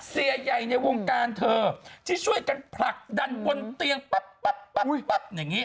เสียใหญ่ในวงการเธอที่ช่วยกันผลักดันบนเตียงปั๊บอย่างนี้